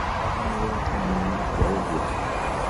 Mutabani wo tennyini y'ayogera.